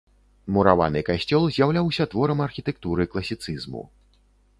Мураваны касцёл з'яўляўся творам архітэктуры класіцызму.